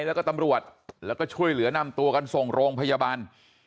แล้วก็ตำรวจแล้วก็ช่วยเหลือนำตัวกันส่งโรงพยาบาล